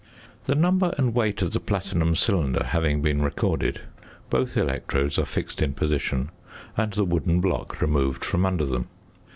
The number and weight of the platinum cylinder having been recorded, both electrodes are fixed in position and the wooden block removed from under them.